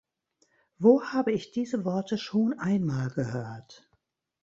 Wo habe ich diese Worte schon einmal gehört?